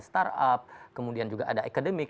startup kemudian juga ada akademik